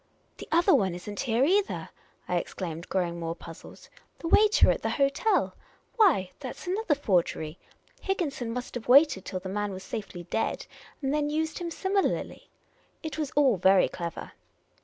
" The other one is n't here, either," I exclaimed, growing more puzzled. " The waiter at the hotel ! Why, that 's another forgery ! Higginson must have waited till the man was safely dead, and then used him similarly. It was all very clever.